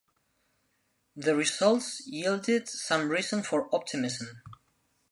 The results yielded some reason for optimism.